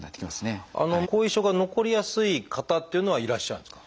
後遺症が残りやすい方っていうのはいらっしゃるんですか？